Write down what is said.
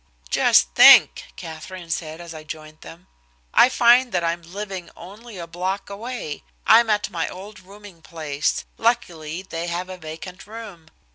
"Just think!" Katherine said as I joined them, "I find that I'm living only a block away. I'm at my old rooming place luckily they had a vacant room.